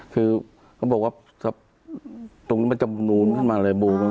คือก็บอกว่าตรงนี้มันจะหนูนขึ้นมาเลยบวมขึ้นมาบวม